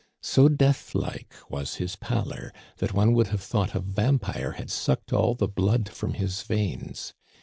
So deathlike was his pallor that one would have thought a vampire had sucked all the blood from his veins.